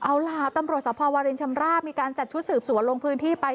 เอาล่ะตำรวจสภวารินชำราบมีการจัดชุดสืบสวนลงพื้นที่ไป